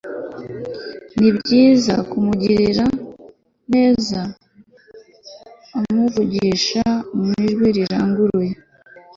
Nibyiza umugiraneza amuvugisha mu ijwi riranguruye